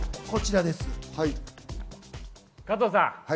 こちらです。